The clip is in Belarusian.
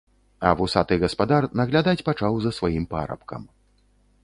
А вусаты гаспадар наглядаць пачаў за сваім парабкам.